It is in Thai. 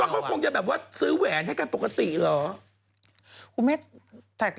เขาคงจะแบบว่าซื้อแหวนให้กันปกติเหรอ